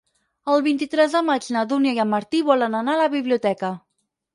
El vint-i-tres de maig na Dúnia i en Martí volen anar a la biblioteca.